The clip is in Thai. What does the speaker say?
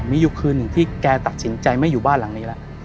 มีอยู่คืนหนึ่งที่แกตัดสินใจไม่อยู่บ้านหลังนี้แล้ว